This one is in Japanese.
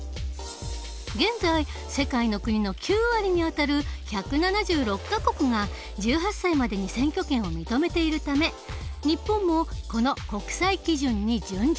現在世界の国の９割にあたる１７６か国が１８歳までに選挙権を認めているため日本もこの国際基準に準じたい。